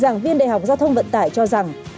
giảng viên đại học giao thông vận tải cho rằng